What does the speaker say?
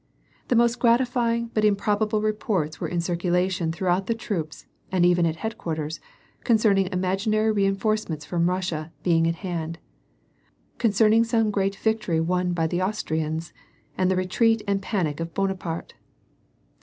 The most gratifying but improbable reports were in circula tion throughout the troops and even at headquarters, concerning imaginary reinforcements frojn Russia being at hand, concern ing some great victory won by the Austrians, and the retreat and panic of Bonapaite.